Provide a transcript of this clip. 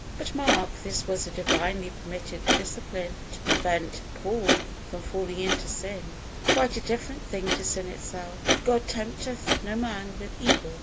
But mark, this was a Divinely permitted discipline to prevent Paul from falling into sin; quite a different thing to sin itself. "God tempteth no man with evil."